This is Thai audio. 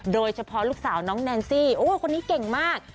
โดยเฉพาะลูกสาวน้องแนนซี่โอ้คนนี้เก่งมาก